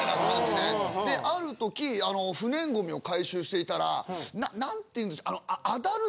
である時不燃ごみを回収していたら何て言うんですか。